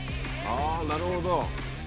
ああなるほど。